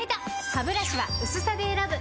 ハブラシは薄さで選ぶ！